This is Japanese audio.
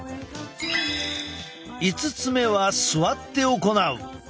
５つ目は座って行う。